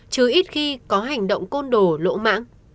chứ ít khi có hành động côn đồ lỗ mãng